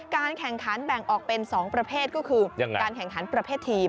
การแข่งขันแบ่งออกเป็น๒ประเภทก็คือการแข่งขันประเภททีม